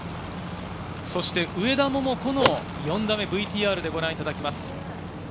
上田桃子の４打目、ＶＴＲでご覧いただきます。